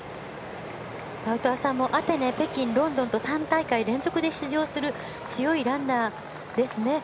パウトワさんもアテネ、北京、ロンドンと３大会連続で出場する強いランナーですね。